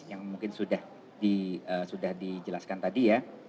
yang mungkin sudah dijelaskan tadi ya